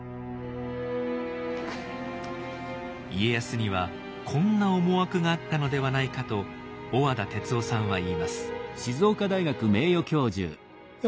家康にはこんな思惑があったのではないかと小和田哲男さんは言います。